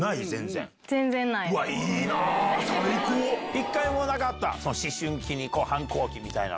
１回もなかった？